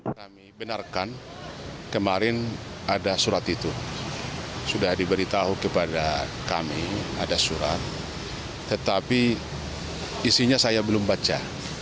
kami benarkan kemarin ada surat itu sudah diberitahu kepada kami ada surat tetapi isinya saya belum baca